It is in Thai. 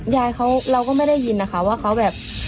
ยายเขาเราก็ไม่ได้ยินนะคะว่าเขาแบบ